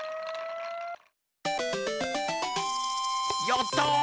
やった！